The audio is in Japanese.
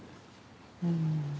うん。